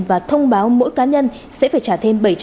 và thông báo mỗi cá nhân sẽ phải trả thêm